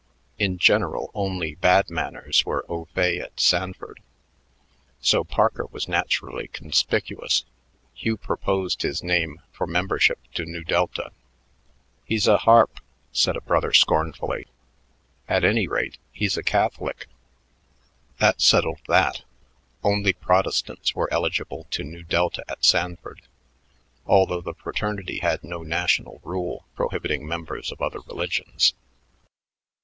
In general, only bad manners were au fait at Sanford; so Parker was naturally conspicuous. Hugh proposed his name for membership to Nu Delta. "He's a harp," said a brother scornfully. "At any rate, he's a Catholic." That settled that. Only Protestants were eligible to Nu Delta at Sanford, although the fraternity had no national rule prohibiting members of other religions.